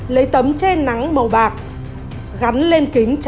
lấy tấm che nắng màu bạc gắn lên kính chắn gió để cho mọi người không nhìn thấy